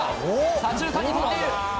左中間に飛んでいる。